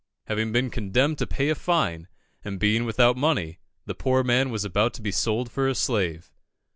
Having been condemned to pay a fine, and being without money, the poor man was about to be sold for a slave.